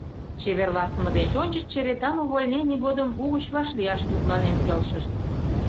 Чеверласыме деч ончыч черетан увольнений годым угыч вашлияш мутланен келшышт.